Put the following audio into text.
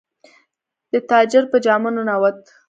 د تاجر په جامه ننووت.